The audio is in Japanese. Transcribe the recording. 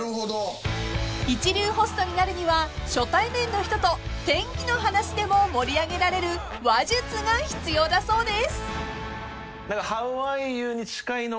［一流ホストになるには初対面の人と天気の話でも盛り上げられる話術が必要だそうです］